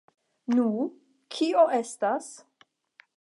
Nu, kio estas?